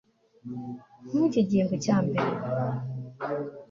muri iki gihembwe cya mbere